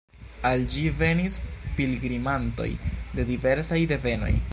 Al ĝi venis pilgrimantoj de diversaj devenoj.